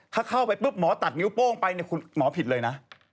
ถ้าเข้าไปปุ๊บหมอตัดนิ้วโป้งไปเนี่ยคุณหมอผิดเลยนะ